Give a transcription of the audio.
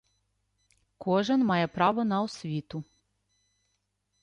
Кожен має право на освіту